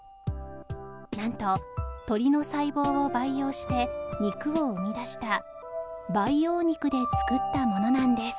なんと鶏の細胞を培養して肉を生み出した培養肉で作ったものなんです